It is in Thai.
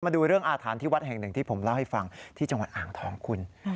มาดูเรื่องอาถรรพ์ที่วัดแห่งหนึ่งที่ผมเล่าให้ฟังที่จังหวัดอ่างทองคุณ